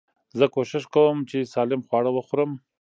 زه کوشش کوم، چي سالم خواړه وخورم.